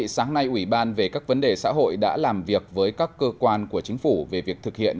sáng nay ủy ban về các vấn đề xã hội đã làm việc với các cơ quan của chính phủ về việc thực hiện